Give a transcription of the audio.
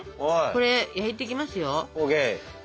これ焼いていきますよ。